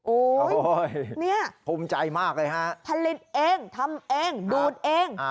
โอ้โหเนี่ยภูมิใจมากเลยฮะผลิตเองทำเองดูดเอง